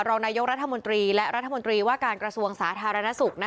รองนายกรัฐมนตรีและรัฐมนตรีว่าการกระทรวงสาธารณสุข